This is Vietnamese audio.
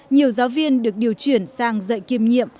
nhiều giáo viên được điều chuyển sang dạy kiêm nhiệm